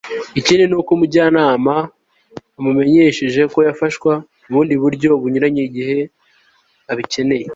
ikindi nuko umujyanama amumenyeshejeko yafashwa mu bundi buryo bunyuranye igihe abikeneye